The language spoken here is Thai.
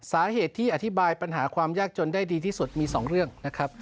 สาเหตุที่อธิบายปัญหาความยากจนได้ดีที่สุดมี๒เรื่องนะครับ